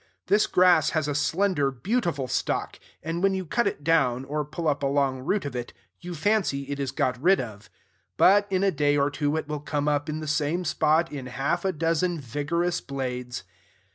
This grass has a slender, beautiful stalk: and when you cut it down, or pull up a long root of it, you fancy it is got rid of; but in a day or two it will come up in the same spot in half a dozen vigorous blades.